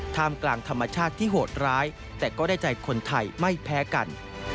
ท่ามกลางธรรมชาติที่โหดร้ายแต่ก็ได้ใจคนไทยไม่แพ้กัน